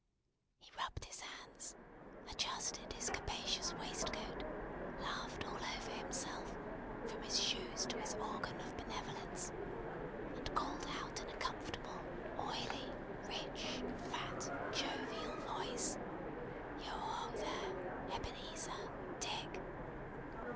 He rubbed his hands; adjusted his capacious waistcoat; laughed all over himself, from his shoes to his organ of benevolence; and called out in a comfortable, oily, rich, fat, jovial voice: "Yo ho, there! Ebenezer! Dick!"